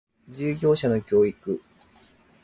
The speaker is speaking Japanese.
従業者の教育